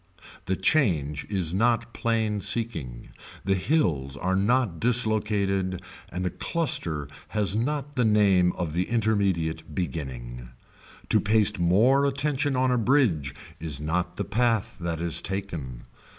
The change is not plain seeking, the hills are not dislocated and the cluster has not the name of the intermediate beginning. To paste more attention on a bridge is not the path that is taken.